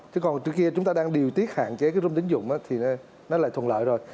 chứ còn trước kia chúng ta đang điều tiết hạn chế cái run tính dụng thì nó lại thuận lợi rồi